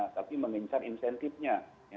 tapi mengincar insentifnya